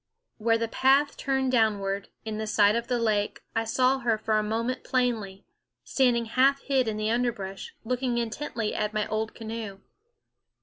Where the path turned downward, in sight of the lake, I saw her for a moment plainly, standing half hid in the underbrush, looking intently at my old canoe.